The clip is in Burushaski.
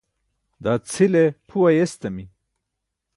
daa cʰile phu ayestami